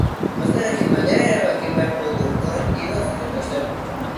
Emaztearekin batera erabaki beharko du orain dirua zertan gastatu.